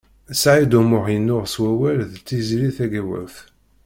Saɛid U Muḥ yennuɣ s wawal d Tiziri Tagawawt.